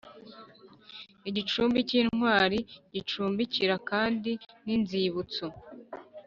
Igicumbi cy intwari gicumbikira kandi n inzibutso